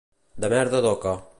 De merda d'oca.